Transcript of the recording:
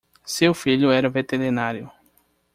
Seu filho era veterinário